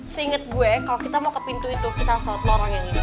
seinget gue kalau kita mau ke pintu itu kita harus lewat lorong yang ini